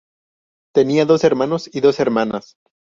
Tenía dos hermanos y dos hermanas.